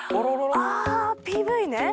あＰＶね。